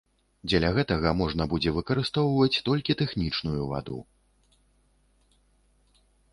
Дзеля гэтага можна будзе выкарыстоўваць толькі тэхнічную ваду.